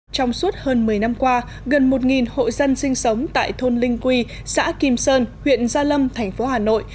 trong suốt hơn một mươi năm qua gần một hộ dân sinh sống tại thôn linh quy xã kim sơn huyện gia lâm thành phố hà nội